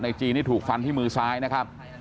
จีนี่ถูกฟันที่มือซ้ายนะครับ